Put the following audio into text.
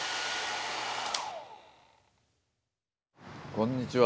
こんにちは。